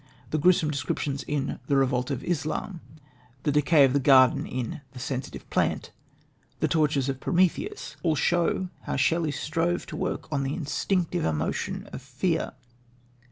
The gruesome descriptions in The Revolt of Islam, the decay of the garden in The Sensitive Plant, the tortures of Prometheus, all show how Shelley strove to work on the instinctive emotion of fear.